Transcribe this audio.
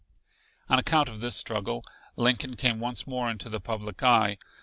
On account of this struggle Lincoln came once more into the public eye.